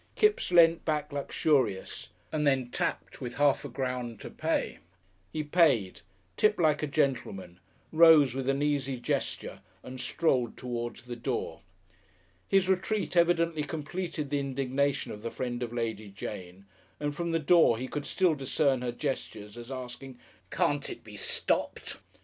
Kipps leant back luxurious, and then tipped with a half crown to pay. He paid, tipped like a gentleman, rose with an easy gesture, and strolled towards the door. His retreat evidently completed the indignation of the friend of Lady Jane, and from the door he could still discern her gestures as asking, "Can't it be stopped?"